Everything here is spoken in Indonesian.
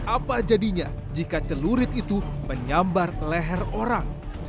apa jadinya jika celurit itu menyambar leher orang